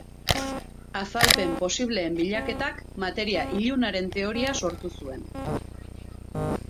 Azalpen posibleen bilaketak materia ilunaren teoria sortu zuen.